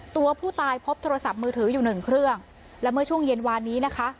ตัวผู้ตายพบโทรศัพท์มือถืออยู่หนึ่งเครื่องและเมื่อช่วงเย็นวานนี้นะคะ